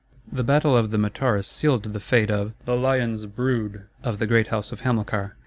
The battle of the Metaurus sealed the fate of "the lion's brood" of the great house of Hamilcar.